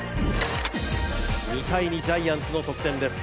２回にジャイアンツの得点です。